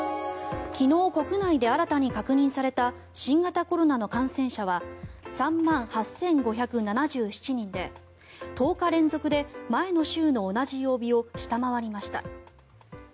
昨日国内で新たに確認された新型コロナの感染者は３万８５７７人で１０日連続で前の週の同じ曜日を下回りました。